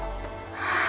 ああ！